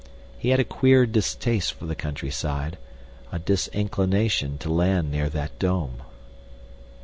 He had a queer distaste for the countryside, a disinclination to land near that dome.